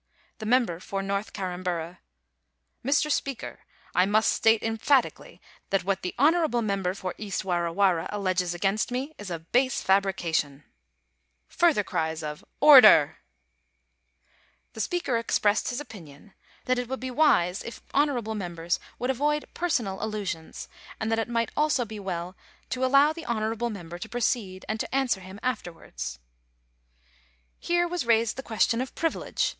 The member for North Carramburra :* Mr. Speaker, I must state emphatically that what the honourable member for East Warra Warra alleges against me is a base fabrication.' Further cries of * Order.' The Speaker expressed his opinion that it would be wise 14^ POUCY AND PASSIOS. if howjcrabte members woald XTnhi perscnil iZ^is&rcs* arid diat it might also be well to aEow the hociDcnbie merr.ber to proceed^ and to answer firm a^ervards. Here was raised die qoesioa of pmilege.